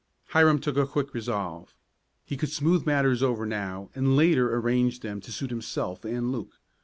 Hiram took a quick resolve. He could smooth matters over now, and later arrange them to suit himself and Luke.